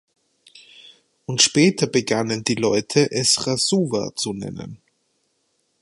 Und später begannen die Leute, es Rasuwa zu nennen.